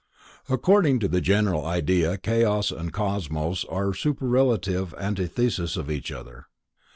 According to the general idea Chaos and Cosmos are superlative antitheses of each other.